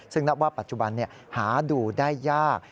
ซึ่งนับว่าปัจจุบันหาดูได้ยาก